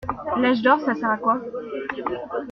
L'âge d'or ça sert à quoi?